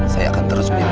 saya akan terus menunggu